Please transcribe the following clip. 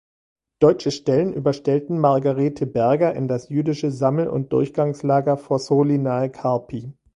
Deutsche Stellen überstellten Margarete Berger in das jüdische Sammel- und Durchgangslager Fossoli nahe Carpi.